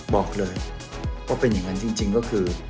บอกเลยว่าเป็นอย่างนั้นจริงก็คือ